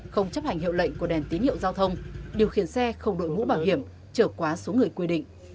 không chấp hành hiệu lệnh của đèn tín hiệu giao thông điều khiển xe không đội mũ bảo hiểm trở quá số người quy định